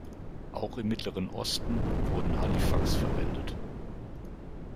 Auch im Mittleren Osten wurden Halifax verwendet.